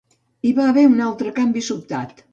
Hi va haver un altre canvi sobtat.